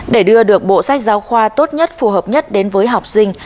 để đưa được bộ sách giáo khoa tốt nhất phù hợp nhất đến với học sinh